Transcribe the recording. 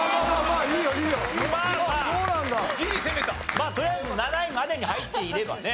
まあとりあえず７位までに入っていればね。